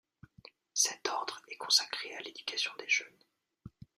Cet ordre est consacré à l'éducation des jeunes.